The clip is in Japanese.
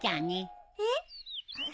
えっ！？